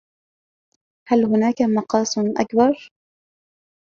هل هناك مقاس أكبر؟